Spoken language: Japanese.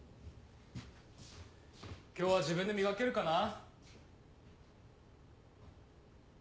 ・今日は自分で磨けるかな？